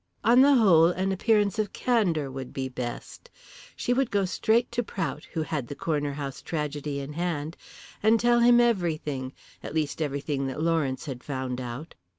On the whole, an appearance of candour would be best. She would go straight to Prout, who had the Corner House tragedy in hand, and tell him everything, at least everything that Lawrence had found out.